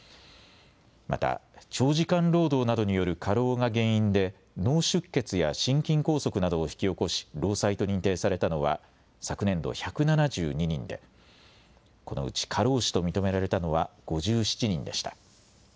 また、長時間労働などによる過労が原因で脳出血や心筋梗塞などを引き起こし労災と認定されたのは昨年度、１７２人でこのうち過労死と認められたのは５７人でした。